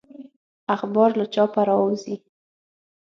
اخبار له چاپه راووزي.